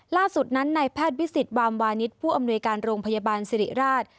ล่าสุดนั้นในแพทย์วิสิตวามวานิสผู้อำนวยการโรงพยาบาลสิริราช